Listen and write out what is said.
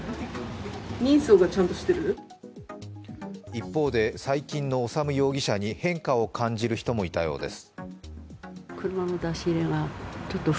一方で、最近の修容疑者に変化を感じる人もいたようです。